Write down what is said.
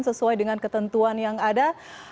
sesuai dengan ketentuan yang ada